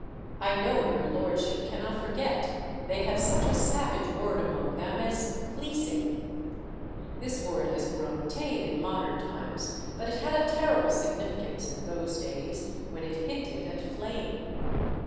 I know your lordship cannot forget they have such a savage word among them as fleecing." This word has grown tame in modern times, but it had a terrible significance in those days, when it hinted at flaying.